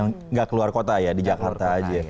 nggak keluar kota ya di jakarta aja